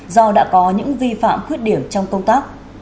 do đã có những vi phạm khuyết điểm trong công tác